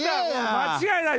間違いない。